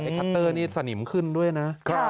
คัตเตอร์นี่สนิมขึ้นด้วยนะ